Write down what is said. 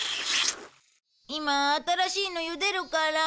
今新しいの茹でるから。